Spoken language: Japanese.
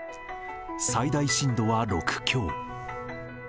最大震度は６強。